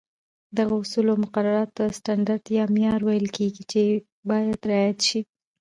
دغو اصولو او مقرراتو ته سټنډرډ یا معیار ویل کېږي، چې باید رعایت شي.